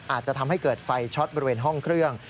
อาจจะทำให้เกิดไฟช็อตบริเวณห้องเครื่อง